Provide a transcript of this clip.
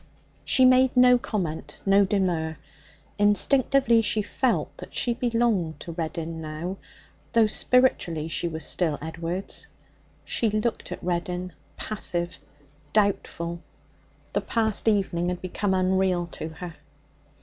She made no comment, no demur. Instinctively she felt that she belonged to Reddin now, though spiritually she was still Edward's. She looked at Reddin, passive, doubtful; the past evening had become unreal to her.